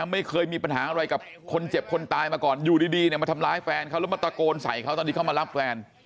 ไม่เคยมีปัญหาอะไรกับคนเจ็บคนตายมาก่อนอยู่ดีมาทำร้ายแฟนเขาแล้วมาตะโกนใส่เขาตอนที่เขามารับแฟน